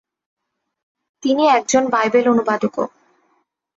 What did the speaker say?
তিনি একজন বাইবেল অনুবাদকও।